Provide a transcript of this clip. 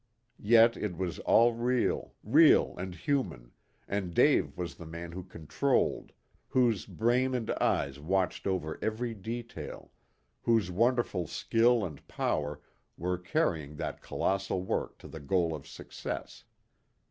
Yet it was all real, real and human, and Dave was the man who controlled, whose brain and eyes watched over every detail, whose wonderful skill and power were carrying that colossal work to the goal of success.